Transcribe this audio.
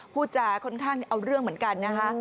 พูดจาค่อนข้างเอาเรื่องเหมือนกันนะคะ